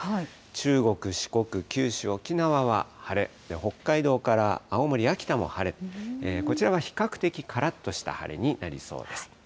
中国、四国、九州、沖縄は晴れ、北海道から青森、秋田も晴れ、こちらは比較的、からっとした晴れになりそうです。